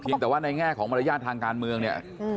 แต่ว่าในแง่ของมารยาททางการเมืองเนี่ย